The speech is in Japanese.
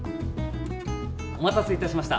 お待たせいたしました。